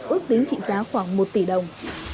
ước tính trị giá khoảng một tỷ đồng